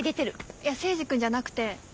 いや征二君じゃなくて。